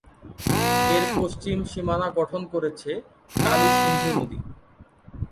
এর পশ্চিম সীমানা গঠন করেছে কালী সিন্ধু নদী।